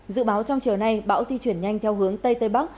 dự báo trong chiều nay bão di chuyển nhanh theo hướng tây tây bắc